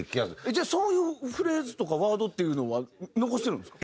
じゃあそういうフレーズとかワードっていうのは残してるんですか？